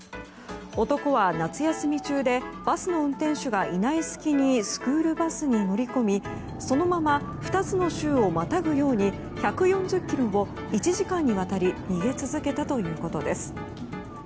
男は夏休み中でバスの運転手がいない隙にスクールバスに乗り込みそのまま２つの州をまたぐように１４０ｋｍを１時間にわたり逃げ続けたということです。